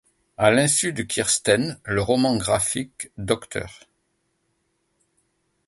À l'insu de Kirsten, le roman graphique Dr.